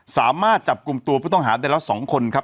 สามารถจับกลุ่มตัวผู้ต้องหาได้แล้ว๒คนครับ